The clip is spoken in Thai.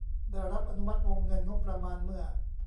ได้รับอนุมัติวงเงินงบประมาณเมื่อ